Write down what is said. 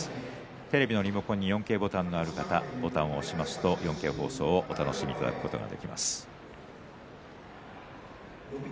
テレビのリモコンに４Ｋボタンがある方はボタンを押せば４Ｋ放送をお楽しみいただくことができます。